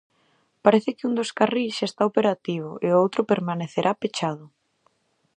Parece que un dos carrís xa está operativo e o outro permanecerá pechado.